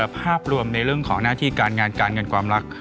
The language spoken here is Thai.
ภาพรวมในเรื่องของหน้าที่การงานการเงินความรัก